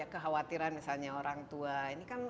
kekhawatiran misalnya orang tua ini kan